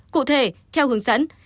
cụ thể theo hướng dẫn